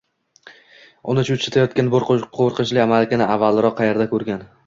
Uni cho‘chitayotgan bu qo‘rqinchli amakini avvalroq qayerda ko‘rgan.